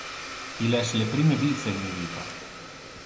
Il es le prime vice in mi vita.